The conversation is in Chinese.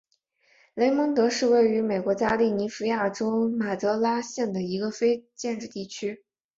雷蒙德是位于美国加利福尼亚州马德拉县的一个非建制地区。